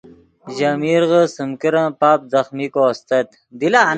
ژے میرغے سیم کرن پاپ ځخمیکو استت